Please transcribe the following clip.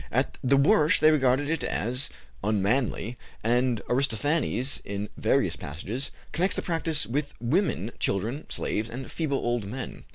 At the worst they regarded it as unmanly, and Aristophanes, in various passages, connects the practice with women, children, slaves, and feeble old men.